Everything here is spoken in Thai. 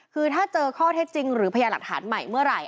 คือถ้าเจอข้อเท็จจริงหรือพยาหลักฐานใหม่เมื่อไหร่